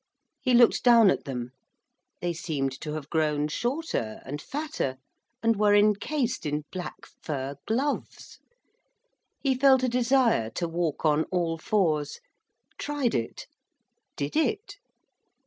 He looked down at them; they seemed to have grown shorter and fatter, and were encased in black fur gloves. He felt a desire to walk on all fours tried it did it.